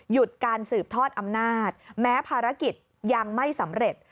หยุดการสืบทอดอำนาจแม้ภารกิจยังไม่สำเร็จ